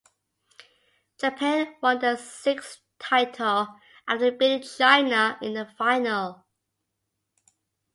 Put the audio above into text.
Japan won their sixth title after beating China in the final.